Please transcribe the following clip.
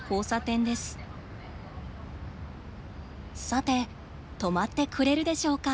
さて止まってくれるでしょうか。